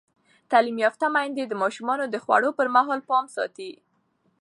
تعلیم یافته میندې د ماشومانو د خوړو پر مهال پام ساتي.